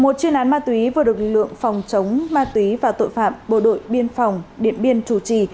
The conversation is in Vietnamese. một chuyên án ma túy vừa được lực lượng phòng chống ma túy và tội phạm bộ đội biên phòng điện biên chủ trì